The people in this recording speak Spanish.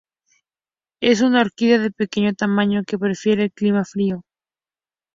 Es una orquídea de pequeño tamaño, que prefiere el clima frío.